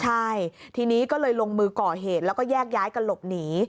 ใช่ทีนี้ก็เลยลงมือก่อเหตุแล้วก็แยกย้ายกันหลบหนี